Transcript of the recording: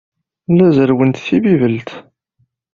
La zerrwent Tibibelt.